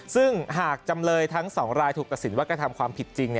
ซึ่งหากจำเลยทั้ง๒รายถูกกระสินว่ากระทำความผิดจริง